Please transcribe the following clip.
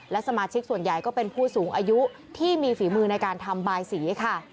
และสมาชิกส่วนใหญ่ก็เป็นผู้สูงอายุที่มีฝีมือในการทำบายสีค่ะ